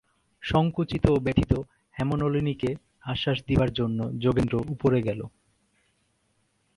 সংকুচিত ও ব্যথিত হেমনলিনীকে আশ্বাস দিবার জন্য যোগেন্দ্র উপরে গেল।